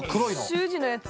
習字のやつ。